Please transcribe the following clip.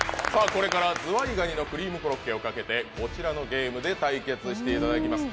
これから、ずわい蟹のクリームコロッケをかけて、こちらのゲームで対決していただきます。